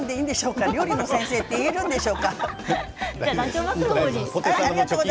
これで料理の先生と言えるんでしょうか。